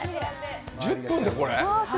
１０分でこれ？